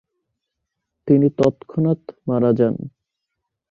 তিনি তৎক্ষণাৎ মারা যান।